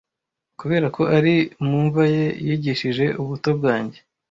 Kuberako ari mu mva ye yigishije ubuto bwanjye